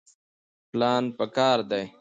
پلان پکار دی